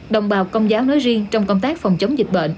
đồng bào công giáo nói riêng trong công tác phòng chống dịch bệnh